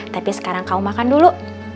tapi sekarang kau makan dulu